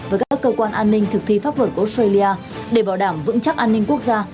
với các cơ quan an ninh thực thi pháp luật của australia để bảo đảm vững chắc an ninh quốc gia